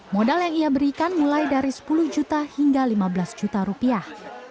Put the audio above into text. modal yang ia berikan mulai dari sepuluh juta hingga lima belas juta rupiah